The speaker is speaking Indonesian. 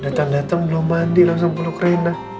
datang datang belum mandi langsung puluk rena